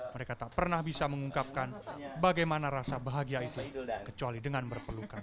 mereka tak pernah bisa mengungkapkan bagaimana rasa bahagia itu kecuali dengan berpelukan